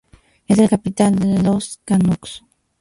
Es el capitán de los Canucks.